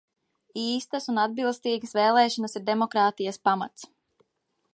Īstas un atbilstīgas vēlēšanas ir demokrātijas pamats.